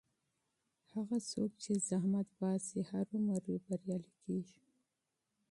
هغه څوک چې زحمت باسي هرو مرو بریالی کېږي.